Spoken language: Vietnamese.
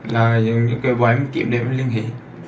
là những cái vòi em kiếm để em liên hệ